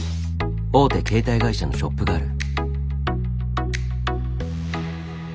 大手携帯会社のショップがある。